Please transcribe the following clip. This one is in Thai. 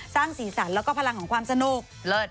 สร้างสีสันแล้วก็พลังของความสนุก